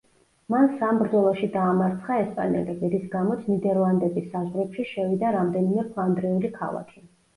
მან სამ ბრძოლაში დაამარცხა ესპანელები, რის გამოც ნიდერლანდების საზღვრებში შევიდა რამდენიმე ფლანდრიული ქალაქი.